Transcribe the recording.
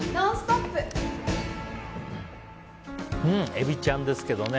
エビちゃんですけどね